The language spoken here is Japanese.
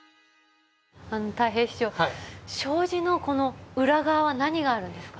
たい平師匠障子のこの裏側何があるんですか？